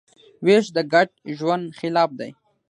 وېش د ګډ ژوند خلاف دی.